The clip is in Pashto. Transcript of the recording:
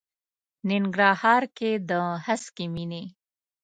ننګرهار کې د هسکې مېنې.